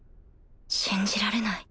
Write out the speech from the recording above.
信じられない